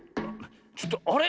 ちょっとあれ？